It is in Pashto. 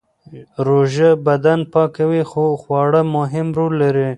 روژه بدن پاکوي خو خواړه مهم رول لري.